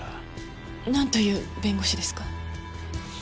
なんという弁護士ですか？